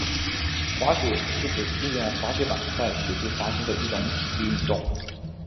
滑雪是指利用滑雪板在雪地滑行的一种体育运动。